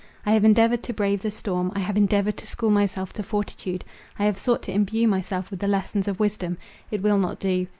I have endeavoured to brave the storm—I have endeavoured to school myself to fortitude—I have sought to imbue myself with the lessons of wisdom. It will not do.